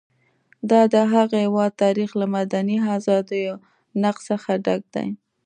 د دغه هېواد تاریخ له مدني ازادیو نقض څخه ډک دی.